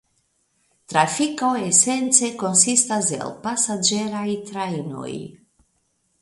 Trafiko esence konsistas el pasaĝeraj trajnoj.